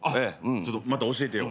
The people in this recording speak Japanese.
ちょっとまた教えてよ。